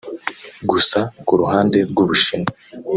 Gusa ku ruhande rw’u Bushinwa